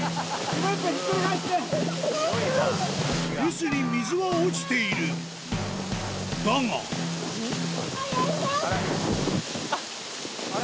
臼に水は落ちているあれ？